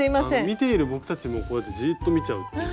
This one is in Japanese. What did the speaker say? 見ている僕たちもこうやってじっと見ちゃうっていう。